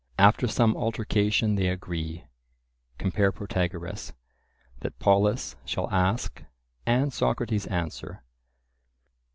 After some altercation they agree (compare Protag.), that Polus shall ask and Socrates answer.